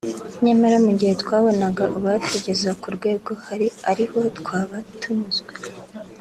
nyamara mugihe twabonaga uwatugeza ku rwego ariho twaba tunyuzwe